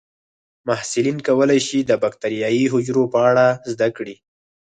محصلین کولی شي د بکټریايي حجرو په اړه زده کړي.